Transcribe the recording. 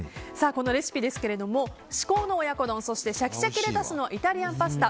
このレシピですが至高の親子丼、そしてシャキシャキレタスのイタリアンパスタ